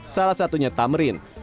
salah satunya tamrin